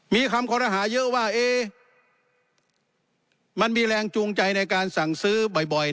มีคำคอรหาเยอะว่ามันมีแรงจูงใจในการสั่งซื้อบ่อย